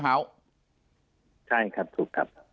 ใช่ครับถูกครับ